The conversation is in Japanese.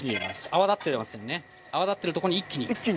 泡立ってるところに一気に。